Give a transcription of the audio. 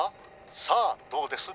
さあどうです？